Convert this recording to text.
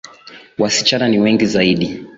Wasichana ni wngi zaidi